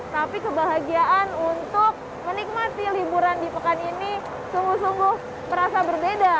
tapi kebahagiaan untuk menikmati liburan di pekan ini sungguh sungguh merasa berbeda